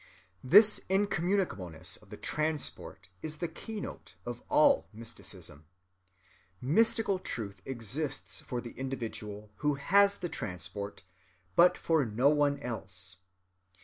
(247) This incommunicableness of the transport is the keynote of all mysticism. Mystical truth exists for the individual who has the transport, but for no one else.